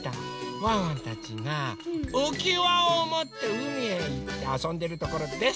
ワンワンたちがうきわをもってうみへいってあそんでるところです。